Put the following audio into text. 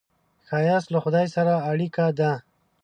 ښایست له خدای سره اړیکه ده